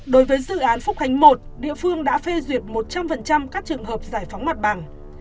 đối với dự án phúc khánh một địa phương đã phê duyệt một trăm linh các trường hợp giải phóng mặt bằng